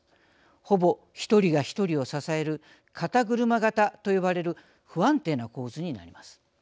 ほぼ１人が１人を支える肩車型と呼ばれる不安定な構図になります。